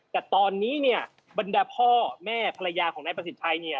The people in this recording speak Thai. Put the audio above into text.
แต่ตอนนี้เนี่ยบรรดาพ่อแม่ภรรยาของนายประสิทธิ์ชัยเนี่ย